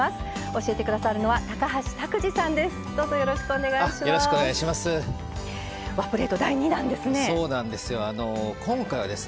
教えてくださるのは高橋拓児さんです。